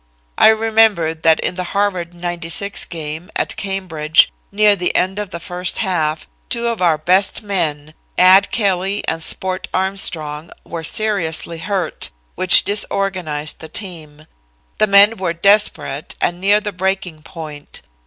I remember that in the Harvard '96 game, at Cambridge, near the end of the first half, two of our best men (Ad Kelly and Sport Armstrong) were seriously hurt, which disorganized the team. The men were desperate and near the breaking point.